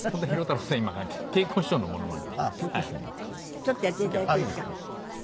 ちょっとやっていただいていいですか？